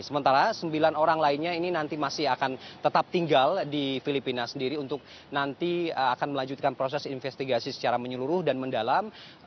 sementara sembilan orang lainnya ini nanti masih akan tetap tinggal di filipina sendiri untuk nanti akan melanjutkan proses investigasi secara menyeluruh dan mendalam